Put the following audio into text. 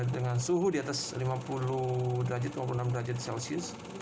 dengan suhu di atas lima puluh derajat dua puluh enam derajat celcius